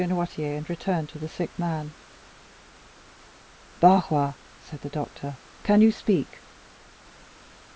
Noirtier, and returned to the sick man. "Barrois," said the doctor, "can you speak?"